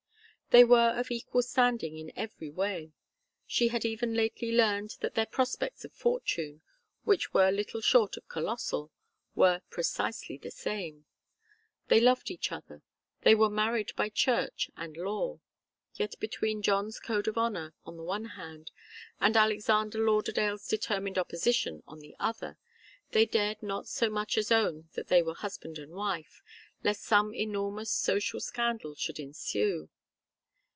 They were of equal standing in every way; she had even lately learned that their prospects of fortune, which were little short of colossal, were precisely the same. They loved each other. They were married by church and law. Yet between John's code of honour, on the one hand, and Alexander Lauderdale's determined opposition, on the other, they dared not so much as own that they were husband and wife, lest some enormous social scandal should ensue.